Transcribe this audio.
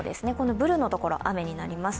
ブルーのところが雨になります。